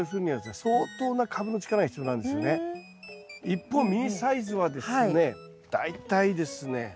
一方ミニサイズはですね大体ですね